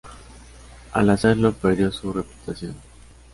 Al hacerlo perdió su reputación.